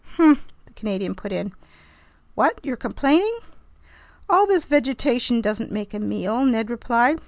"Humph!" the Canadian put in. "What! You're complaining?" "All this vegetation doesn't make a meal," Ned replied.